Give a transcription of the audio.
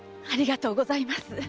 ありがとうございます。